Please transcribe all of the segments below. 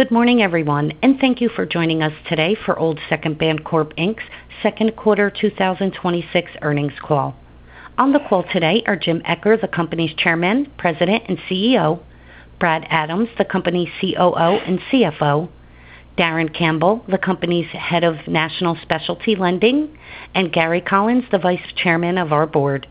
Good morning everyone, and thank you for joining us today for Old Second Bancorp Inc.'s second quarter 2026 earnings call. On the call today are Jim Eccher, the company's Chairman, President, and Chief Executive Officer; Brad Adams, the company's Chief Operating Officer and Chief Financial Officer; Darin Campbell, the company's head of National Specialty Lending; and Gary Collins, the Vice Chairman of our board.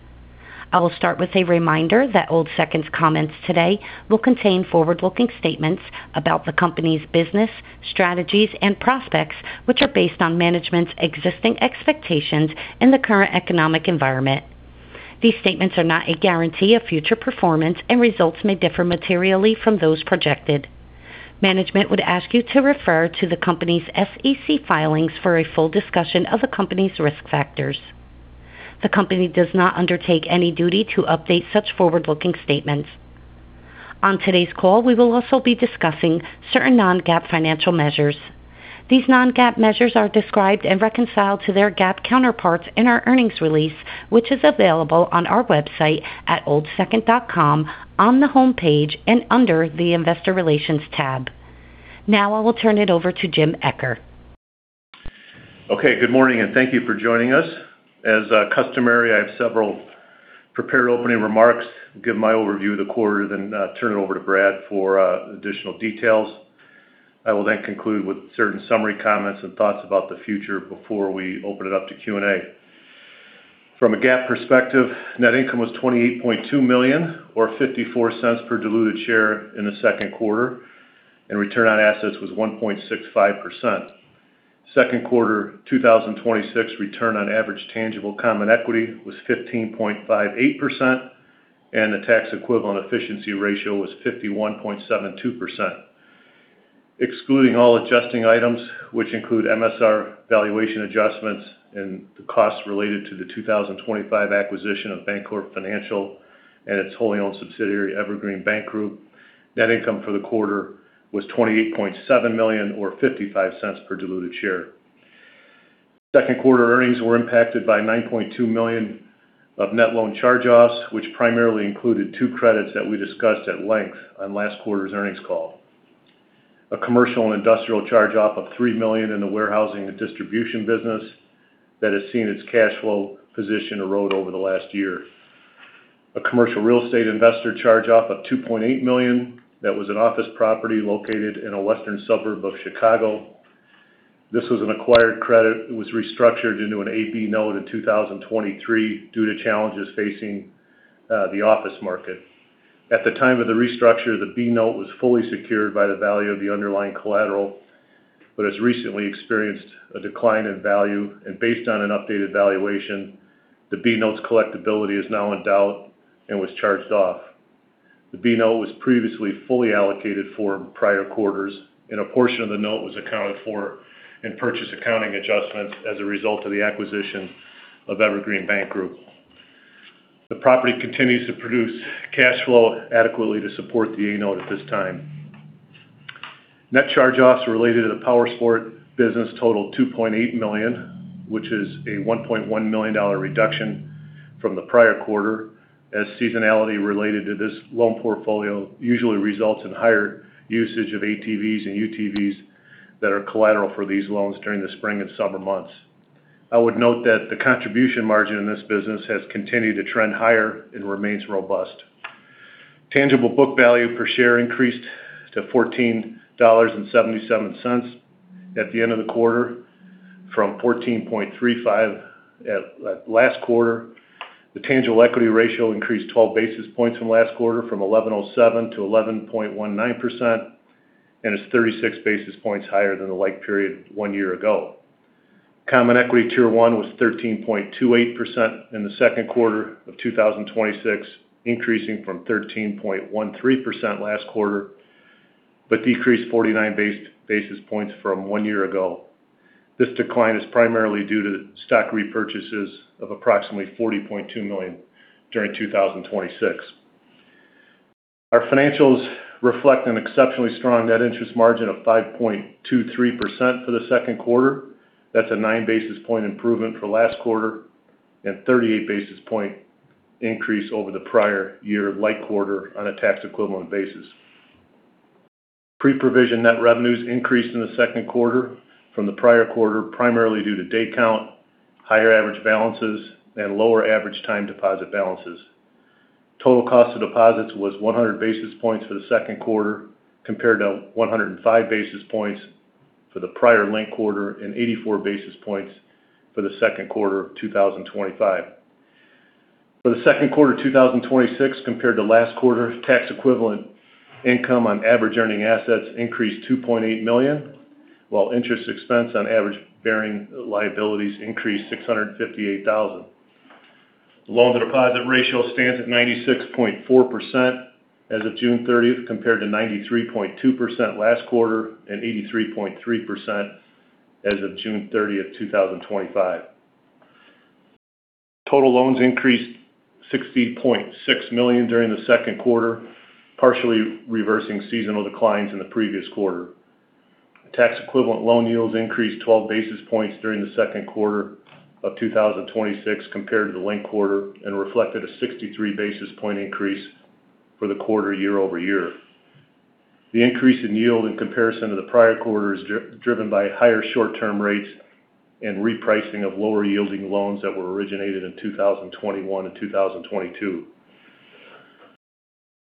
I will start with a reminder that Old Second's comments today will contain forward-looking statements about the company's business, strategies, and prospects, which are based on management's existing expectations in the current economic environment. These statements are not a guarantee of future performance, and results may differ materially from those projected. Management would ask you to refer to the company's SEC filings for a full discussion of the company's risk factors. The company does not undertake any duty to update such forward-looking statements. On today's call, we will also be discussing certain Non-GAAP financial measures. These Non-GAAP measures are described and reconciled to their GAAP counterparts in our earnings release, which is available on our website at oldsecond.com, on the homepage and under the investor relations tab. I will turn it over to Jim Eccher. Okay. Good morning and thank you for joining us. As customary, I have several prepared opening remarks. I'll give my overview of the quarter, then turn it over to Brad for additional details. I will then conclude with certain summary comments and thoughts about the future before we open it up to Q&A. From a GAAP perspective, net income was $28.2 million, or $0.54 per diluted share in the second quarter, and return on assets was 1.65%. Second quarter 2026 return on average tangible common equity was 15.58%, and the tax equivalent efficiency ratio was 51.72%. Excluding all adjusting items, which include MSR valuation adjustments and the costs related to the 2025 acquisition of Bancorp Financial and its wholly owned subsidiary, Evergreen Bank Group, net income for the quarter was $28.7 million or $0.55 per diluted share. Second quarter earnings were impacted by $9.2 million of net loan charge-offs, which primarily included two credits that we discussed at length on last quarter's earnings call. A commercial and industrial charge-off of $3 million in the warehousing and distribution business that has seen its cash flow position erode over the last year. A commercial real estate investor charge-off of $2.8 million that was an office property located in a western suburb of Chicago. This was an acquired credit that was restructured into an A/B note in 2023 due to challenges facing the office market. At the time of the restructure, the B note was fully secured by the value of the underlying collateral but has recently experienced a decline in value. Based on an updated valuation, the B note's collectibility is now in doubt and was charged off. The B-note was previously fully allocated for in prior quarters, and a portion of the note was accounted for in purchase accounting adjustments as a result of the acquisition of Evergreen Bank Group. The property continues to produce cash flow adequately to support the A-note at this time. Net charge-offs related to the powersport business totaled $2.8 million, which is a $1.1 million reduction from the prior quarter, as seasonality related to this loan portfolio usually results in higher usage of ATVs and UTVs that are collateral for these loans during the spring and summer months. I would note that the contribution margin in this business has continued to trend higher and remains robust. Tangible book value per share increased to $14.77 at the end of the quarter from $14.35 at last quarter. The tangible equity ratio increased 12 basis points from last quarter, from 11.07%-11.19%, and is 36 basis points higher than the like period one year ago. Common Equity Tier 1 was 13.28% in the second quarter of 2026, increasing from 13.13% last quarter, but decreased 49 basis points from one year ago. This decline is primarily due to stock repurchases of approximately $40.2 million during 2026. Our financials reflect an exceptionally strong net interest margin of 5.23% for the second quarter. That's a nine basis point improvement for last quarter and 38 basis point increase over the prior year like quarter on a tax equivalent basis. Pre-provision net revenues increased in the second quarter from the prior quarter, primarily due to day count, higher average balances, and lower average time deposit balances. Total cost of deposits was 100 basis points for the second quarter, compared to 105 basis points for the prior linked quarter and 84 basis points for the second quarter of 2025. For the second quarter of 2026 compared to last quarter, tax equivalent income on average earning assets increased $2.8 million, while interest expense on average-bearing liabilities increased $658,000. The loan-to-deposit ratio stands at 96.4% as of June 30th, compared to 93.2% last quarter and 83.3% as of June 30th, 2025. Total loans increased $60.6 million during the second quarter, partially reversing seasonal declines in the previous quarter. Tax equivalent loan yields increased 12 basis points during the second quarter of 2026 compared to the linked quarter and reflected a 63 basis point increase for the quarter year-over-year. The increase in yield in comparison to the prior quarter is driven by higher short-term rates and repricing of lower yielding loans that were originated in 2021 and 2022.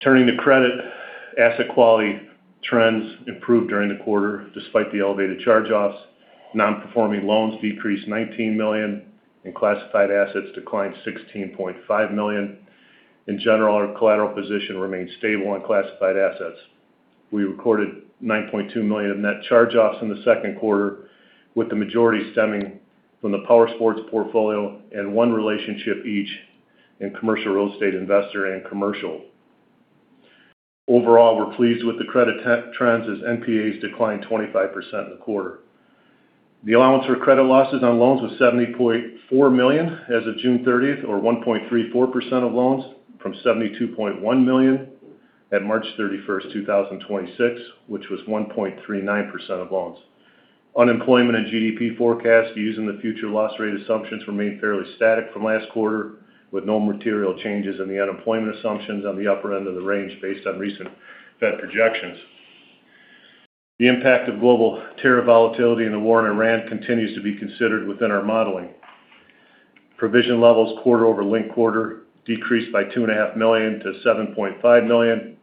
Turning to credit, asset quality trends improved during the quarter despite the elevated charge-offs. Non-performing loans decreased $19 million and classified assets declined $16.5 million. In general, our collateral position remained stable on classified assets. We recorded $9.2 million of net charge-offs in the second quarter, with the majority stemming from the powersports portfolio and one relationship each in commercial real estate investor and commercial. Overall, we're pleased with the credit trends as NPAs declined 25% in the quarter. The allowance for credit losses on loans was $70.4 million as of June 30th, or 1.34% of loans, from $72.1 million at March 31st, 2026, which was 1.39% of loans. Unemployment and GDP forecast used in the future loss rate assumptions remained fairly static from last quarter, with no material changes in the unemployment assumptions on the upper end of the range based on recent Fed projections. The impact of global tariff volatility and the war in Iran continues to be considered within our modeling. Provision levels quarter-over-linked-quarter decreased by $2.5 million-$7.5 million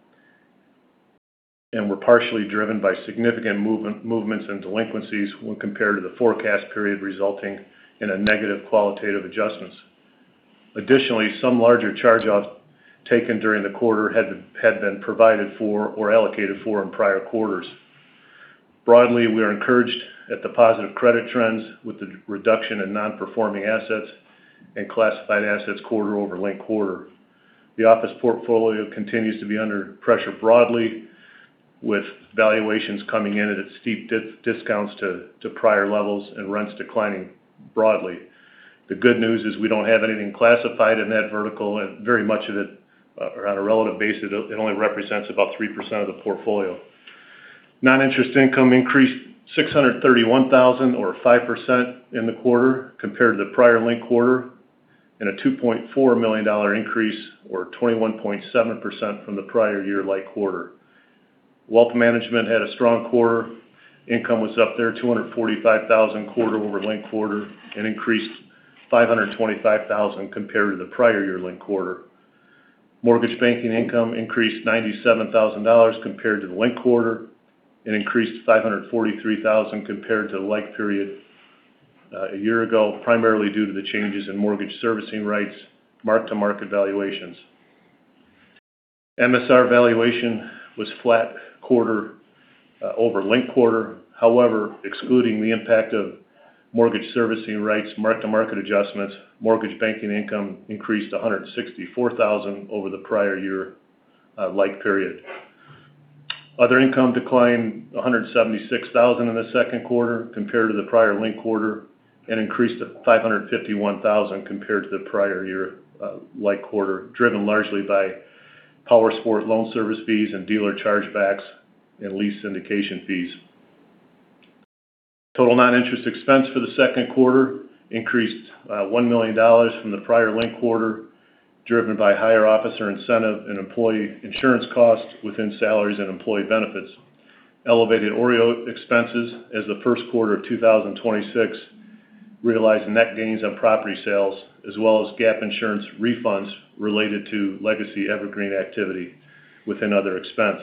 and were partially driven by significant movements in delinquencies when compared to the forecast period, resulting in a negative qualitative adjustments. Additionally, some larger charge-offs taken during the quarter had been provided for or allocated for in prior quarters. Broadly, we are encouraged at the positive credit trends with the reduction in non-performing assets and classified assets quarter-over-linked-quarter. The office portfolio continues to be under pressure broadly with valuations coming in at steep discounts to prior levels and rents declining broadly. The good news is we don't have anything classified in that vertical, and very much of it, on a relative basis, it only represents about 3% of the portfolio. Non-interest income increased $631,000, or 5%, in the quarter compared to the prior linked quarter, and a $2.4 million increase, or 21.7%, from the prior year-like quarter. Wealth management had a strong quarter. Income was up there $245,000 quarter-over-linked-quarter and increased $525,000 compared to the prior year-linked quarter. Mortgage banking income increased $97,000 compared to the linked quarter and increased to $543,000 compared to like period a year ago, primarily due to the changes in mortgage servicing rights mark-to-market valuations. MSR valuation was flat quarter-over-linked-quarter. Excluding the impact of mortgage servicing rights mark-to-market adjustments, mortgage banking income increased $164,000 over the prior year-like period. Other income declined $176,000 in the second quarter compared to the prior linked quarter and increased to $551,000 compared to the prior year-like quarter, driven largely by powersport loan service fees and dealer chargebacks and lease indication fees. Total non-interest expense for the second quarter increased $1 million from the prior linked quarter, driven by higher officer incentive and employee insurance costs within salaries and employee benefits, elevated OREO expenses as the first quarter of 2026 realized net gains on property sales, as well as GAP insurance refunds related to legacy evergreen activity within other expense.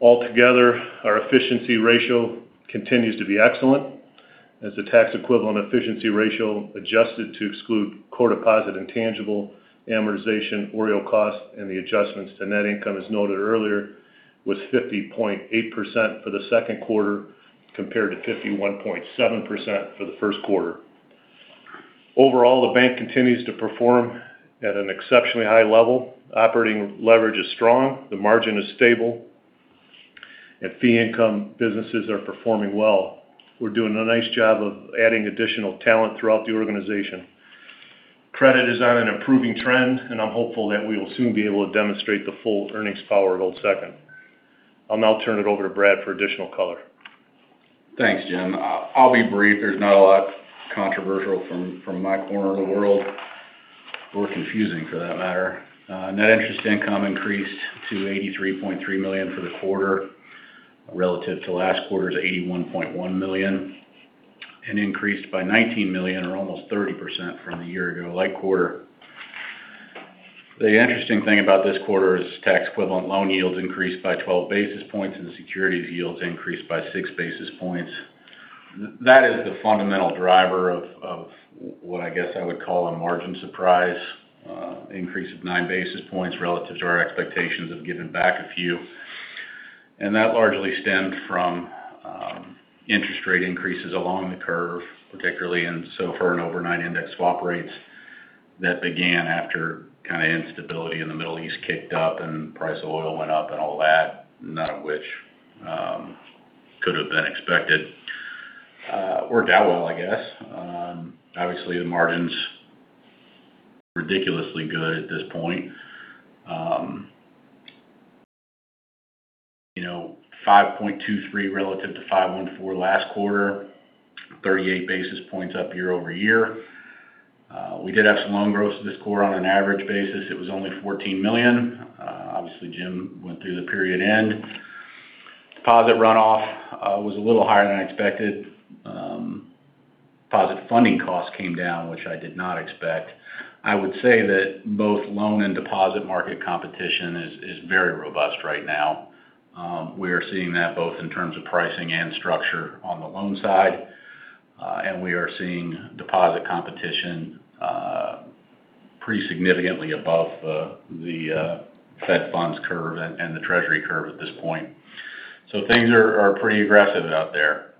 Our efficiency ratio continues to be excellent as the tax equivalent efficiency ratio adjusted to exclude core deposit and tangible amortization, OREO costs, and the adjustments to net income, as noted earlier, was 50.8% for the second quarter, compared to 51.7% for the first quarter. Overall, the bank continues to perform at an exceptionally high level. Operating leverage is strong. The margin is stable, and fee income businesses are performing well. We're doing a nice job of adding additional talent throughout the organization. Credit is on an improving trend, and I'm hopeful that we will soon be able to demonstrate the full earnings power of Old Second. I'll now turn it over to Brad for additional color. Thanks, Jim. I'll be brief. There's not a lot controversial from my corner of the world, or confusing for that matter. Net interest income increased to $83.3 million for the quarter relative to last quarter's $81.1 million, increased by $19 million or almost 30% from the year-ago like quarter. The interesting thing about this quarter is tax equivalent loan yields increased by 12 basis points and the securities yields increased by 6 basis points. That is the fundamental driver of what I guess I would call a margin surprise, an increase of 9 basis points relative to our expectations of giving back a few. That largely stemmed from interest rate increases along the curve, particularly in SOFR and overnight index swap rates that began after kind of instability in the Middle East kicked up and price of oil went up and all that, none of which could have been expected. Worked out well, I guess. Obviously, the margin's ridiculously good at this point. 5.23% relative to 5.14% last quarter, 38 basis points up year-over-year. We did have some loan growth this quarter. On an average basis, it was only $14 million. Obviously, Jim went through the period end. Deposit runoff was a little higher than I expected. Deposit funding costs came down, which I did not expect. I would say that both loan and deposit market competition is very robust right now. We are seeing that both in terms of pricing and structure on the loan side, we are seeing deposit competition pretty significantly above the Fed funds curve and the Treasury curve at this point. Things are pretty aggressive out there.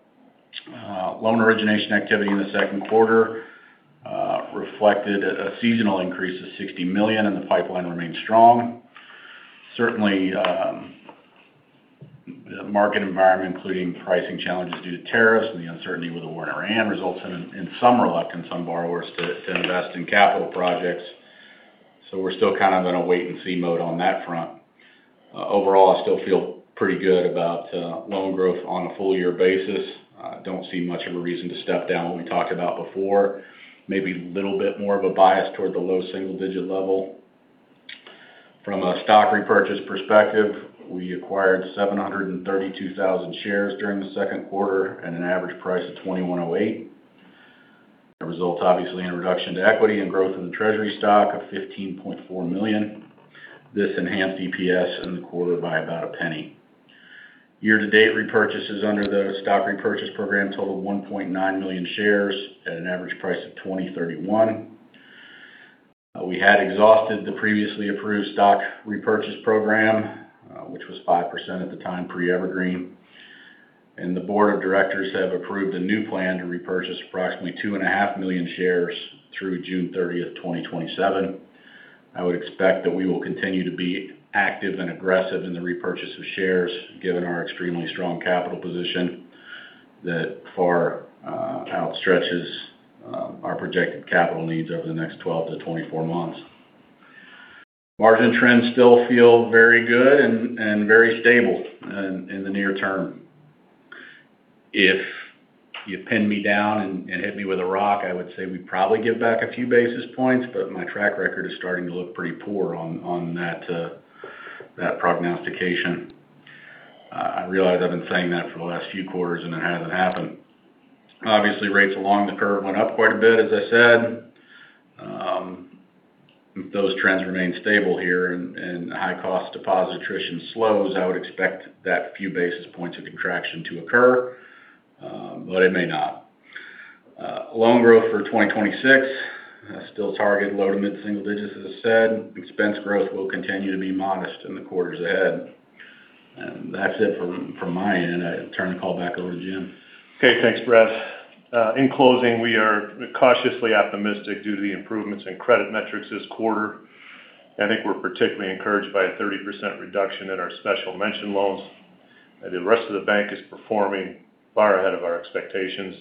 Loan origination activity in the second quarter reflected a seasonal increase of $60 million, and the pipeline remains strong. Certainly, the market environment, including pricing challenges due to tariffs and the uncertainty with a war in Iran results in some reluctance in some borrowers to invest in capital projects. We're still kind of in a wait-and-see mode on that front. Overall, I still feel pretty good about loan growth on a full-year basis. I don't see much of a reason to step down what we talked about before. Maybe a little bit more of a bias toward the low single-digit level. From a stock repurchase perspective, we acquired 732,000 shares during the second quarter at an average price of $21.08. That results, obviously, in a reduction to equity and growth in Treasury stock of $15.4 million. This enhanced EPS in the quarter by about $0.01. Year-to-date repurchases under the stock repurchase program totaled 1.9 million shares at an average price of $20.31. We had exhausted the previously approved stock repurchase program, which was 5% at the time, pre-Evergreen. The board of directors have approved a new plan to repurchase approximately 2.5 Million shares through June 30th, 2027. I would expect that we will continue to be active and aggressive in the repurchase of shares, given our extremely strong capital position that far outstretches our projected capital needs over the next 12 months-24 months. Margin trends still feel very good and very stable in the near term. If you pin me down and hit me with a rock, I would say we probably give back a few basis points, but my track record is starting to look pretty poor on that prognostication. I realize I've been saying that for the last few quarters, and it hasn't happened. Obviously, rates along the curve went up quite a bit, as I said. Those trends remain stable here, and high-cost deposit attrition slows. I would expect that few basis points of contraction to occur, but it may not. Loan growth for 2026 still target low to mid-single digits, as I said. Expense growth will continue to be modest in the quarters ahead. That's it from my end. I turn the call back over to Jim. Okay. Thanks, Brad. In closing, we are cautiously optimistic due to the improvements in credit metrics this quarter. I think we're particularly encouraged by a 30% reduction in our special mention loans. The rest of the bank is performing far ahead of our expectations.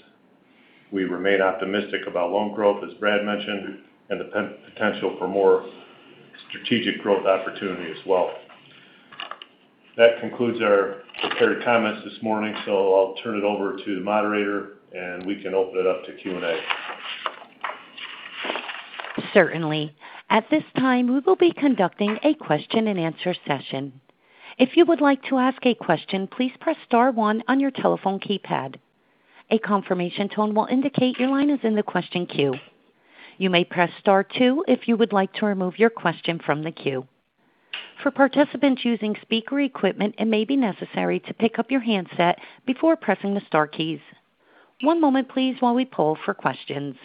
We remain optimistic about loan growth, as Brad mentioned, and the potential for more strategic growth opportunity as well. That concludes our prepared comments this morning. I'll turn it over to the moderator, and we can open it up to Q&A. Certainly. At this time, we will be conducting a question-and-answer session. If you would like to ask a question, please press star one on your telephone keypad. A confirmation tone will indicate your line is in the question queue. You may press star two if you would like to remove your question from the queue. For participants using speaker equipment, it may be necessary to pick up your handset before pressing the star keys. One moment, please, while we poll for questions.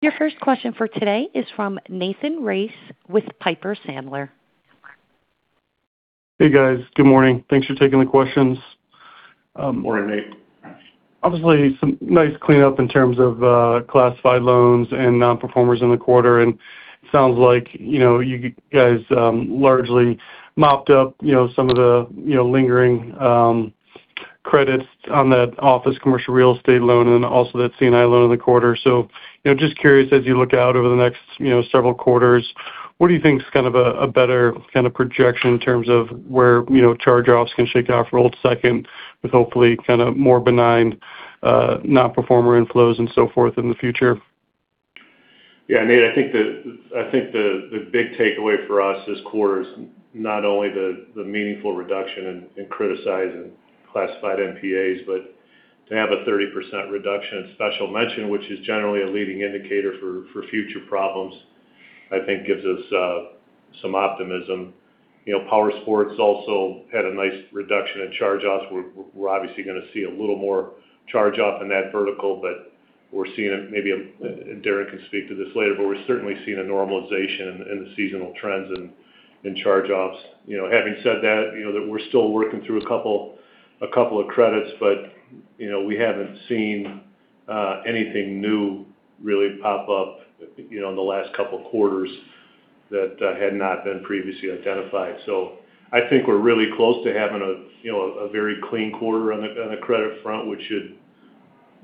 Your first question for today is from Nathan Race with Piper Sandler. Hey, guys. Good morning. Thanks for taking the questions. Morning, Nate. Obviously, some nice cleanup in terms of classified loans and non-performers in the quarter, and it sounds like you guys largely mopped up some of the lingering credits on that office commercial real estate loan and also that C&I loan in the quarter. Just curious, as you look out over the next several quarters, what do you think is a better projection in terms of where charge-offs can shake out for Old Second with hopefully more benign non-performer inflows and so forth in the future? Yeah, Nate, I think the big takeaway for us this quarter is not only the meaningful reduction in criticizing classified NPAs, but to have a 30% reduction in special mention, which is generally a leading indicator for future problems, I think gives us some optimism. Powersports also had a nice reduction in charge-offs. We're obviously going to see a little more charge-off in that vertical, but we're seeing maybe, and Darin can speak to this later, but we're certainly seeing a normalization in the seasonal trends in charge-offs. Having said that, we're still working through a couple of credits, but we haven't seen anything new really pop up in the last couple of quarters That had not been previously identified. I think we're really close to having a very clean quarter on the credit front,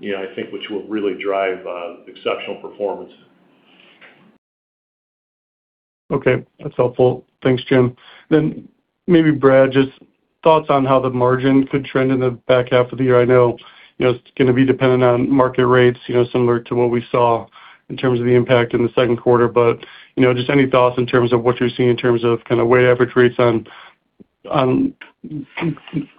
I think, which will really drive exceptional performance. Okay, that's helpful. Thanks, Jim. Maybe Brad, just thoughts on how the margin could trend in the back half of the year. I know it's going to be dependent on market rates, similar to what we saw in terms of the impact in the second quarter. Just any thoughts in terms of what you're seeing in terms of kind of where average rates on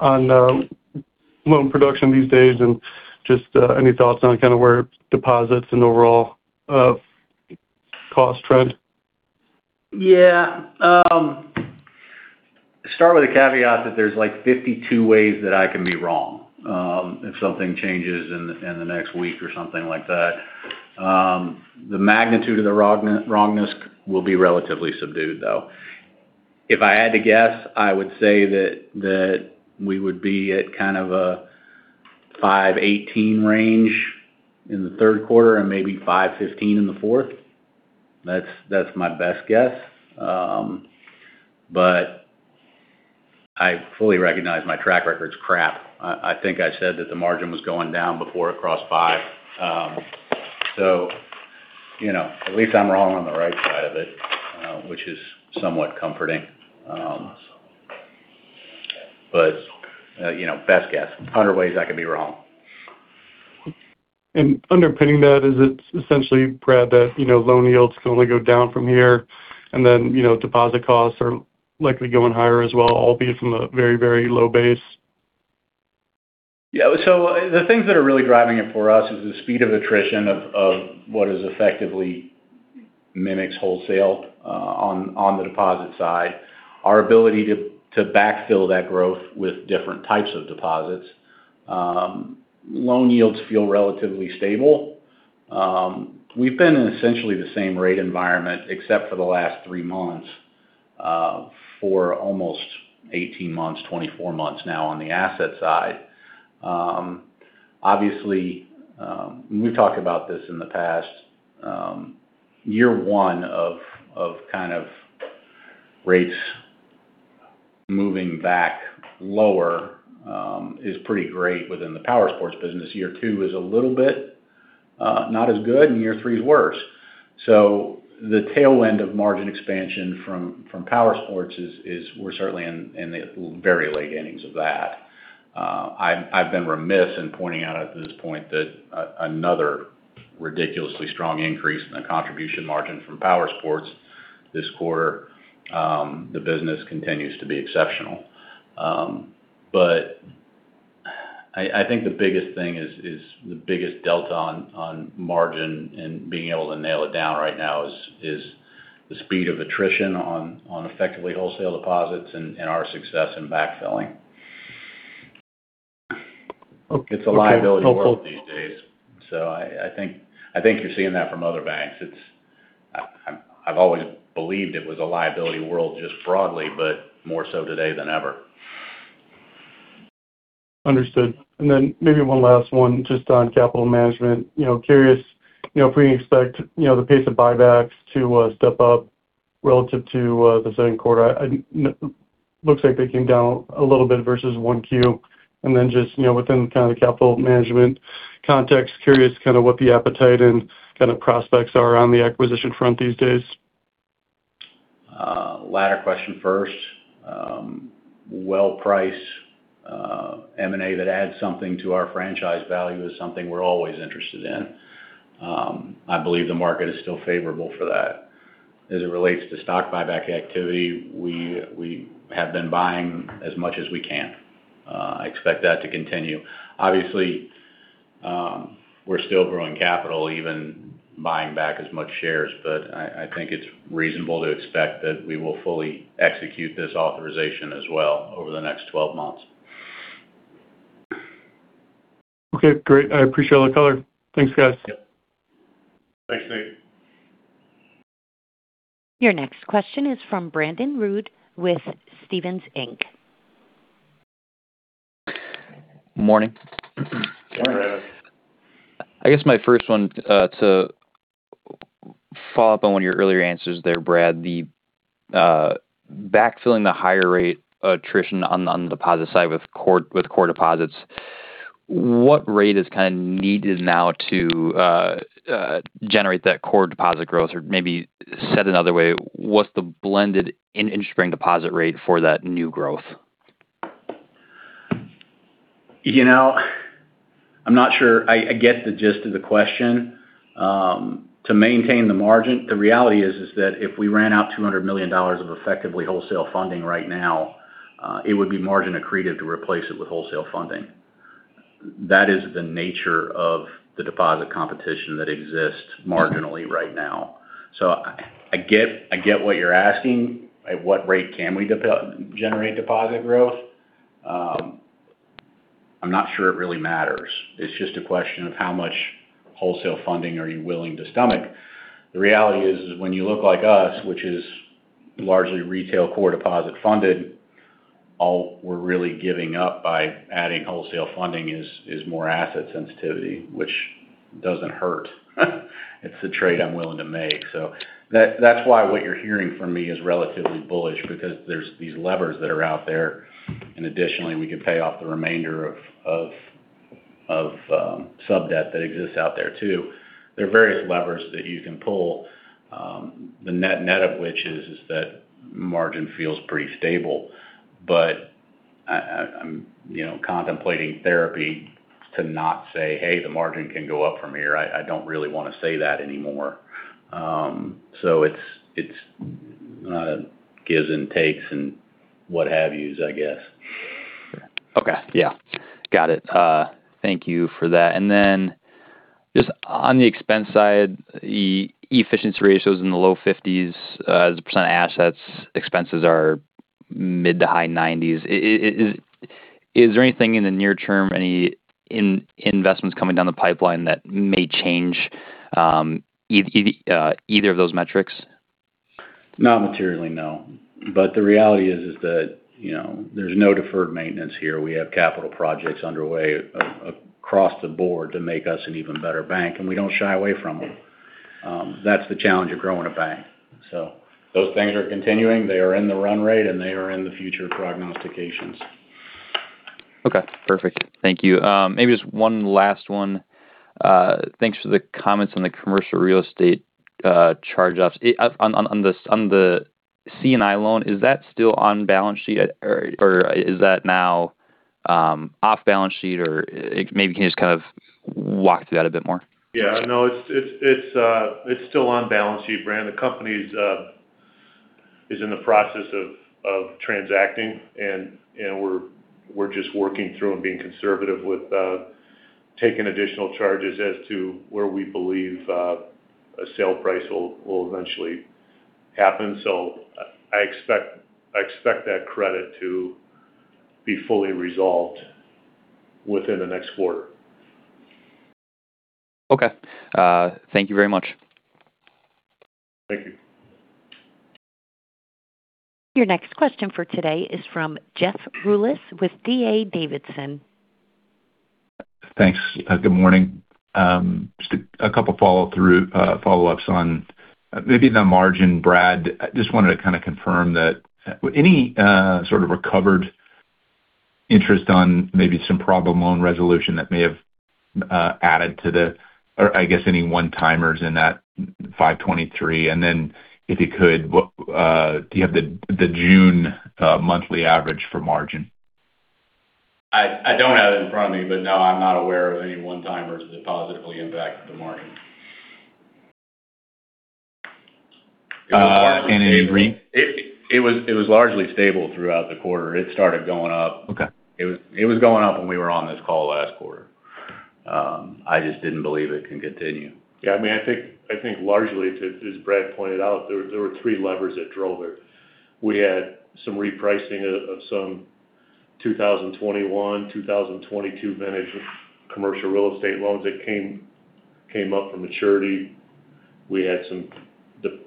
loan production these days and just any thoughts on kind of where deposits and overall cost trend? Start with a caveat that there's like 52 ways that I can be wrong if something changes in the next week or something like that. The magnitude of the wrongness will be relatively subdued, though. If I had to guess, I would say that we would be at kind of a 518 range in the third quarter and maybe 515 range in the fourth. That's my best guess. I fully recognize my track record's crap. I think I said that the margin was going down before it crossed five. At least I'm wrong on the right side of it, which is somewhat comforting. Best guess. 100 ways I could be wrong. Underpinning that is, it's essentially, Brad, that loan yields can only go down from here, deposit costs are likely going higher as well, albeit from a very low base. The things that are really driving it for us is the speed of attrition of what is effectively mimics wholesale on the deposit side. Our ability to backfill that growth with different types of deposits. Loan yields feel relatively stable. We've been in essentially the same rate environment, except for the last three months, for almost 18 months, 24 months now on the asset side. Obviously, we've talked about this in the past. Year one of kind of rates moving back lower is pretty great within the powersports business. Year two is a little bit not as good, year three is worse. The tailwind of margin expansion from powersports is we're certainly in the very late innings of that. I've been remiss in pointing out at this point that another ridiculously strong increase in the contribution margin from powersports this quarter. The business continues to be exceptional. I think the biggest thing is the biggest delta on margin and being able to nail it down right now is the speed of attrition on effectively wholesale deposits and our success in backfilling. Okay. Helpful. It's a liability world these days. I think you're seeing that from other banks. I've always believed it was a liability world just broadly, but more so today than ever. Understood. Then maybe one last one just on capital management. Curious if we expect the pace of buybacks to step up relative to the second quarter. It looks like they came down a little bit versus 1Q. Then just within kind of the capital management context, curious kind of what the appetite and kind of prospects are on the acquisition front these days. Latter question first. Well-priced M&A that adds something to our franchise value is something we're always interested in. I believe the market is still favorable for that. As it relates to stock buyback activity, we have been buying as much as we can. I expect that to continue. Obviously, we're still growing capital, even buying back as much shares, but I think it's reasonable to expect that we will fully execute this authorization as well over the next 12 months. Okay, great. I appreciate all the color. Thanks, guys. Thanks, Nate. Your next question is from Brandon Rud with Stephens Inc. Morning. Morning, Brandon. I guess my first one to follow up on one of your earlier answers there, Brad, the backfilling the higher rate attrition on the deposit side with core deposits. What rate is kind of needed now to generate that core deposit growth? Or maybe said another way, what's the blended interest-bearing deposit rate for that new growth? I'm not sure I get the gist of the question. To maintain the margin, the reality is that if we ran out $200 million of effectively wholesale funding right now, it would be margin accretive to replace it with wholesale funding. That is the nature of the deposit competition that exists marginally right now. I get what you're asking. At what rate can we generate deposit growth? I'm not sure it really matters. It's just a question of how much wholesale funding are you willing to stomach? The reality is when you look like us, which is largely retail core deposit funded All we're really giving up by adding wholesale funding is more asset sensitivity, which doesn't hurt. It's a trade I'm willing to make. That's why what you're hearing from me is relatively bullish because there's these levers that are out there. Additionally, we can pay off the remainder of sub-debt that exists out there too. There are various levers that you can pull, the net-net of which is that margin feels pretty stable. I'm contemplating therapy to not say, "Hey, the margin can go up from here." I don't really want to say that anymore. It's gives and takes and what-have-yous, I guess. Okay. Yeah. Got it. Thank you for that. Then just on the expense side, the efficiency ratio is in the low 50s as a percent of assets. Expenses are mid to high 90s. Is there anything in the near term, any investments coming down the pipeline that may change either of those metrics? Not materially, no. The reality is that there's no deferred maintenance here. We have capital projects underway across the board to make us an even better bank, and we don't shy away from them. That's the challenge of growing a bank. Those things are continuing. They are in the run rate, and they are in the future prognostications. Okay, perfect. Thank you. Maybe just one last one. Thanks for the comments on the commercial real estate charge-offs. On the C&I loan, is that still on balance sheet or is that now off balance sheet? Maybe can you just kind of walk through that a bit more? Yeah. No, it's still on balance sheet, Brad. The company is in the process of transacting, and we're just working through and being conservative with taking additional charges as to where we believe a sale price will eventually happen. I expect that credit to be fully resolved within the next quarter. Okay. Thank you very much. Thank you. Your next question for today is from Jeff Rulis with D.A. Davidson. Thanks. Good morning. Just a couple follow-ups on maybe the margin, Brad. Just wanted to kind of confirm that any sort of recovered interest on maybe some problem loan resolution that may have added or I guess any one-timers in that 5.23%, and then if you could, do you have the June monthly average for margin? I don't have it in front of me, but no, I'm not aware of any one-timers that positively impacted the margin. And in- It was largely stable throughout the quarter. It started going up. Okay. It was going up when we were on this call last quarter. I just didn't believe it can continue. Yeah, I think largely, as Brad pointed out, there were three levers that drove it. We had some repricing of some 2021, 2022 vintage commercial real estate loans that came up for maturity. We had some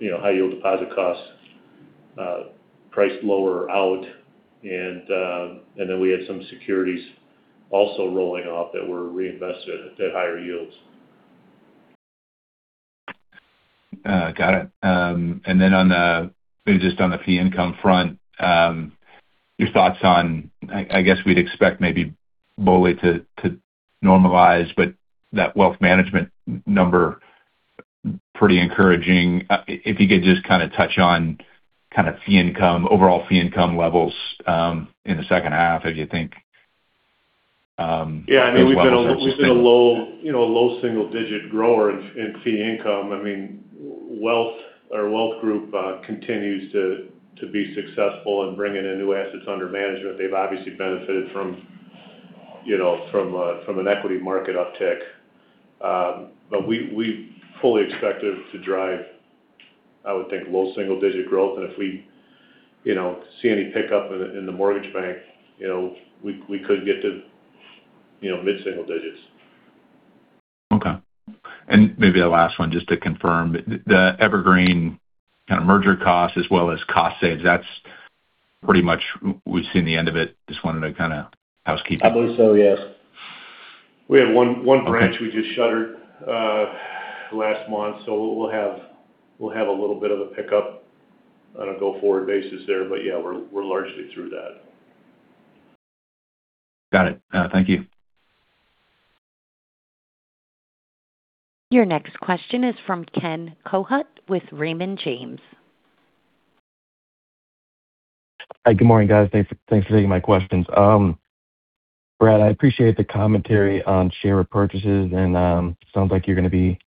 high-yield deposit costs priced lower out. We had some securities also rolling off that were reinvested at higher yields. Got it. Maybe just on the fee income front, your thoughts on. I guess we'd expect maybe mortgage to normalize, but that wealth management number, pretty encouraging. If you could just kind of touch on kind of fee income, overall fee income levels in the second half, if you think those levels are sustainable. Yeah, we've been a low single-digit grower in fee income. Our wealth group continues to be successful in bringing in new assets under management. They've obviously benefited from an equity market uptick. We fully expect it to drive, I would think, low single-digit growth. If we see any pickup in the mortgage bank, we could get to mid-single digits. Okay. Maybe the last one, just to confirm, the Evergreen kind of merger cost as well as cost saves, that's pretty much we've seen the end of it. Just wanted to kind of housekeeping. I believe so, yes. We have one- Okay branch we just shuttered last month, so we'll have a little bit of a pickup on a go-forward basis there. Yeah, we're largely through that. Got it. Thank you. Your next question is from Ken Kohut with Raymond James. Good morning, guys. Thanks for taking my questions. Brad, I appreciate the commentary on share repurchases, sounds like you're going to be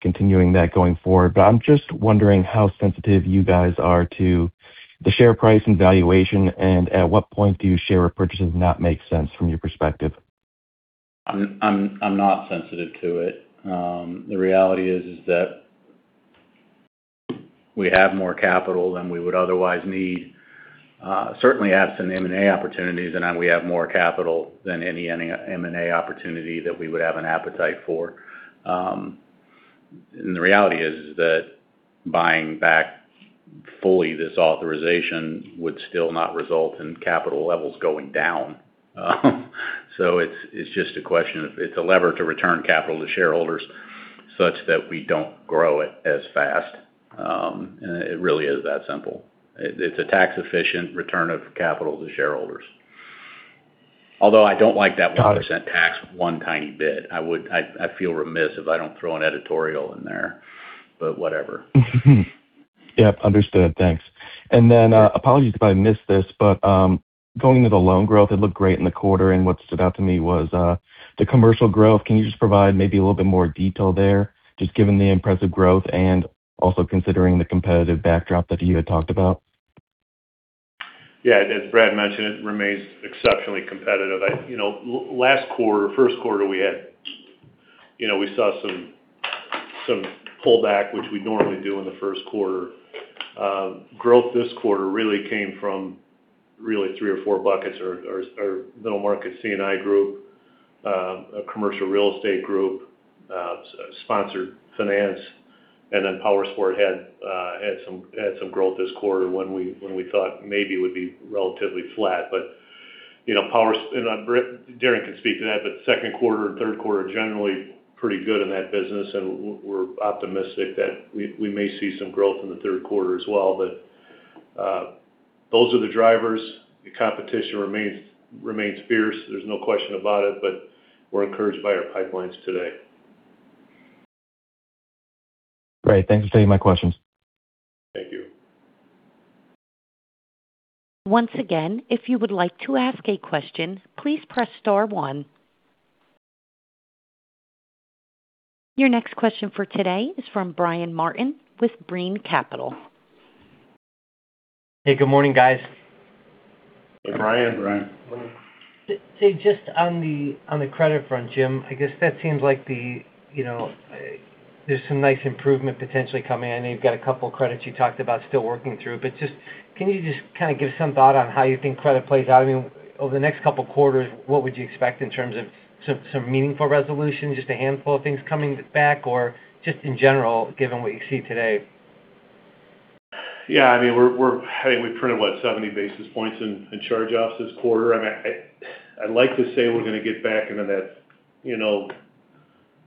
continuing that going forward. I'm just wondering how sensitive you guys are to the share price and valuation, and at what point do share repurchases not make sense from your perspective? I'm not sensitive to it. The reality is that we have more capital than we would otherwise need. Certainly, absent M&A opportunities, we have more capital than any M&A opportunity that we would have an appetite for. The reality is that buying back fully this authorization would still not result in capital levels going down. It's a lever to return capital to shareholders such that we don't grow it as fast. It really is that simple. It's a tax-efficient return of capital to shareholders. Although I don't like that 1% tax one tiny bit. I feel remiss if I don't throw an editorial in there, whatever. Yep. Understood. Thanks. Apologies if I missed this, going into the loan growth, it looked great in the quarter, what stood out to me was the commercial growth. Can you just provide maybe a little bit more detail there, just given the impressive growth and also considering the competitive backdrop that you had talked about? Yeah. As Brad mentioned, it remains exceptionally competitive. First quarter, we saw some pullback, which we normally do in the first quarter. Growth this quarter really came from really three or four buckets. Our middle market C&I group, a commercial real estate group, sponsored finance, PowerSport had some growth this quarter when we thought maybe it would be relatively flat. Darin can speak to that, second quarter and third quarter are generally pretty good in that business, we're optimistic that we may see some growth in the third quarter as well. Those are the drivers. The competition remains fierce. There's no question about it, we're encouraged by our pipelines today. Great. Thanks for taking my questions. Thank you. Once again, if you would like to ask a question, please press star one. Your next question for today is from Brian Martin with Brean Capital. Hey, good morning, guys. Hey, Brian. Hey, Brian. Just on the credit front, Jim, I guess that seems like there's some nice improvement potentially coming. I know you've got a couple credits you talked about still working through, but can you just give some thought on how you think credit plays out? Over the next couple of quarters, what would you expect in terms of some meaningful resolution, just a handful of things coming back, or just in general given what you see today? Yeah. We printed, what, 70 basis points in charge-offs this quarter. I'd like to say we're going to get back into that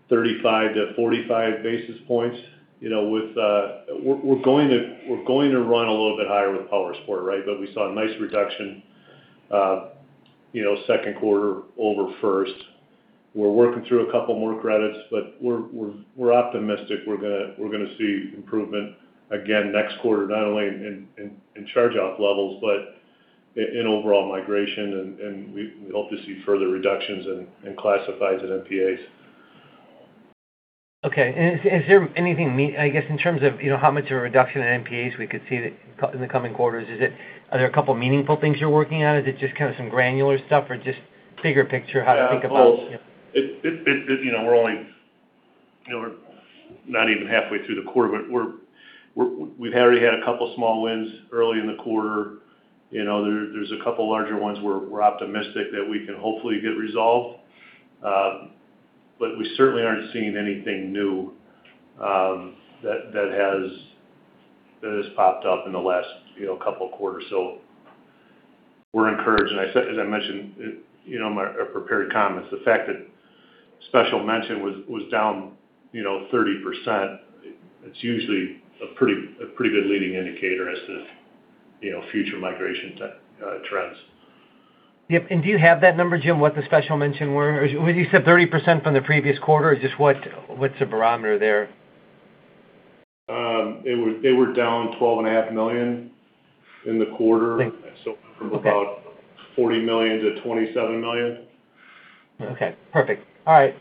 35 basis points-45 basis points. We're going to run a little bit higher with powersport. We saw a nice reduction second quarter over first. We're working through a couple more credits, we're optimistic we're going to see improvement again next quarter, not only in charge-off levels, but in overall migration, and we hope to see further reductions in classifies and NPAs. Okay. Is there anything, I guess, in terms of how much of a reduction in NPAs we could see in the coming quarters? Are there a couple of meaningful things you're working on? Is it just some granular stuff, or just bigger picture how to think about- We're not even halfway through the quarter, we've already had a couple small wins early in the quarter. There's a couple of larger ones we're optimistic that we can hopefully get resolved. We certainly aren't seeing anything new that has popped up in the last couple of quarters. We're encouraged. As I mentioned in my prepared comments, the fact that special mention was down 30%, it's usually a pretty good leading indicator as to future migration trends. Yep. Do you have that number, Jim, what the special mention were? You said 30% from the previous quarter? Just what's the barometer there? They were down $12.5 million in the quarter. Thank you. From about $40 million to $27 million. Okay, perfect. All right.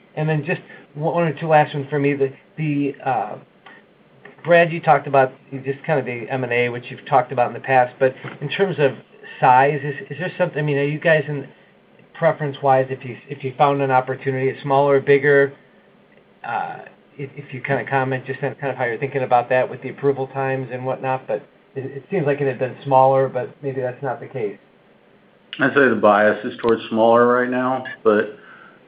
Just one or two last ones from me. Brad, you talked about just kind of the M&A, which you've talked about in the past, but in terms of size, are you guys, preference-wise, if you found an opportunity, smaller or bigger? If you kind of comment just on how you're thinking about that with the approval times and whatnot, but it seems like it had been smaller, but maybe that's not the case. I'd say the bias is towards smaller right now, but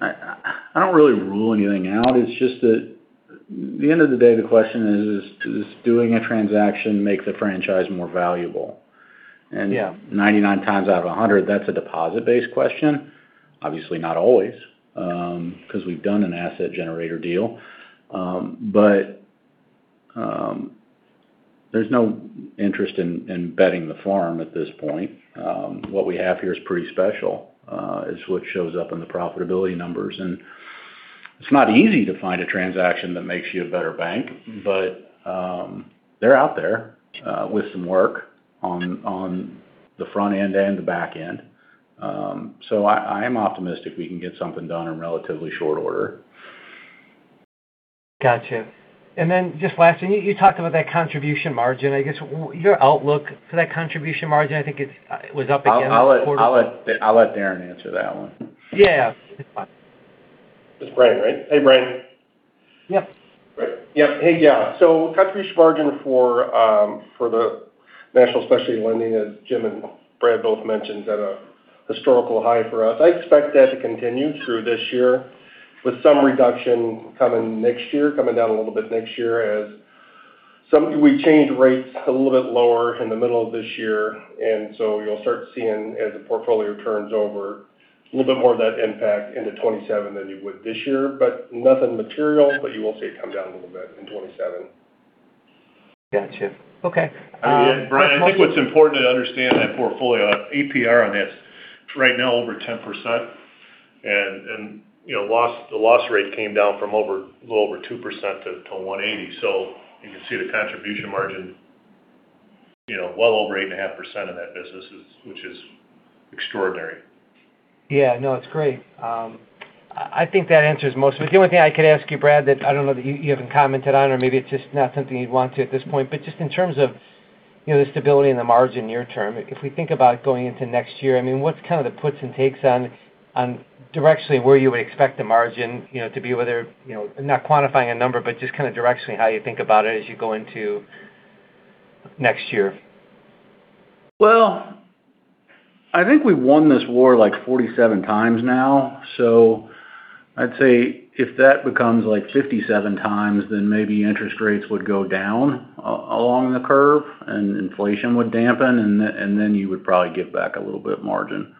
I don't really rule anything out. It's just that at the end of the day, the question is: does doing a transaction make the franchise more valuable? Yeah. 99 times out of 100, that's a deposit-based question. Obviously not always, because we've done an asset generator deal. There's no interest in betting the farm at this point. What we have here is pretty special. It's what shows up in the profitability numbers. It's not easy to find a transaction that makes you a better bank, they're out there with some work on the front end and the back end. I am optimistic we can get something done in relatively short order. Got you. Just last one. You talked about that contribution margin. I guess your outlook for that contribution margin, I think it was up again this quarter. I'll let Darin answer that one. Yeah. That's fine. It's Brian, right? Hey, Brian. Yeah. Great. Hey. Yeah. Contribution margin for the National Specialty Lending, as Jim and Brad both mentioned, is at a historical high for us. I expect that to continue through this year, with some reduction coming next year, coming down a little bit next year as we change rates a little bit lower in the middle of this year. You'll start seeing, as the portfolio turns over, a little bit more of that impact into 2027 than you would this year. Nothing material, but you will see it come down a little bit in 2027. Yeah, Jim. Okay. Brian, I think what's important to understand in that portfolio, APR on that is right now over 10%. The loss rate came down from a little over 2%-1.8%. You can see the contribution margin well over 8.5% in that business, which is extraordinary. Yeah, no, it's great. I think that answers most. The only thing I could ask you, Brad, that I don't know that you haven't commented on or maybe it's just not something you'd want to at this point, but just in terms of the stability and the margin near-term, if we think about going into next year, what's kind of the puts and takes on directionally where you would expect the margin to be, whether, not quantifying a number, but just kind of directionally how you think about it as you go into next year? Well, I think we've won this war 47 times now. I'd say if that becomes 57 times, then maybe interest rates would go down along the curve and inflation would dampen, and then you would probably give back a little bit of margin.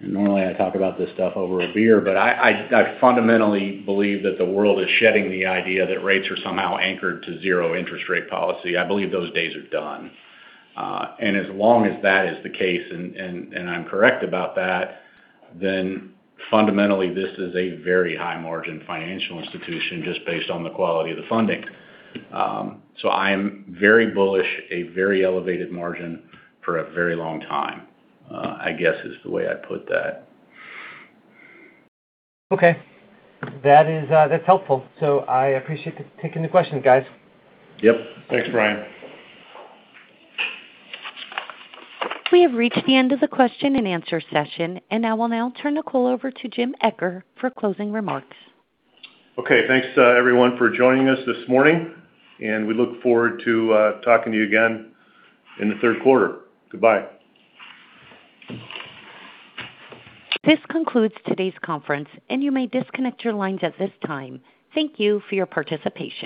Normally I talk about this stuff over a beer, but I fundamentally believe that the world is shedding the idea that rates are somehow anchored to zero interest rate policy. I believe those days are done. As long as that is the case, and I'm correct about that, then fundamentally this is a very high margin financial institution just based on the quality of the funding. I am very bullish, a very elevated margin for a very long time, I guess is the way I'd put that. Okay. That's helpful. I appreciate the taking the questions, guys. Yep. Thanks, Brian. We have reached the end of the question and answer session. I will now turn the call over to James Eccher for closing remarks. Okay. Thanks, everyone, for joining us this morning. We look forward to talking to you again in the third quarter. Goodbye. This concludes today's conference. You may disconnect your lines at this time. Thank you for your participation.